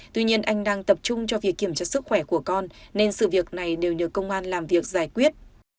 tuy nhiên anh đang tập trung cho việc kiểm tra sức khỏe của con nên sự việc này đều nhờ công an làm việc giải quyết